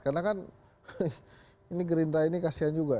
karena kan ini gerindra ini kasian juga